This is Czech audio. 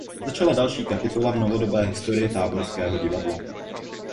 Začala další kapitola v novodobé historii táborského divadla.